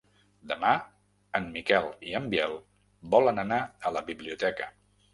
Demà en Miquel i en Biel volen anar a la biblioteca.